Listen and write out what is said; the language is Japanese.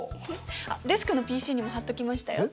あっデスクのＰＣにも貼っときましたよ。